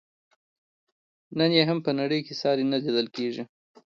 نن یې هم په نړۍ کې ساری نه لیدل کیږي.